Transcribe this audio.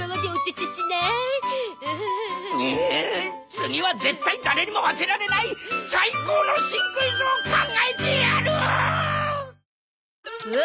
次は絶対誰にも当てられないちゃいこの新クイズを考えてやる！